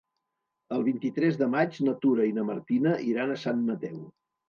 El vint-i-tres de maig na Tura i na Martina iran a Sant Mateu.